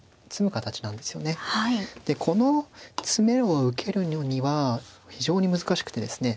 でこの詰めろを受けるには非常に難しくてですね